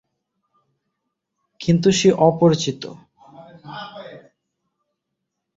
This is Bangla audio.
কিন্তু সে অপরিচিত।